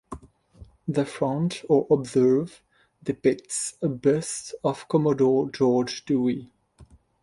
The front, or obverse, depicts a bust of Commodore George Dewey.